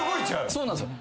そうなんですよ。